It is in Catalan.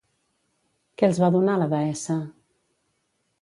Què els va donar la deessa?